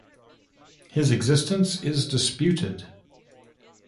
His existence is disputed.